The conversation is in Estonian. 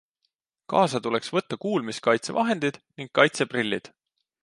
Kaasa tuleks võtta kuulmiskaitsevahendid ning kaitseprillid.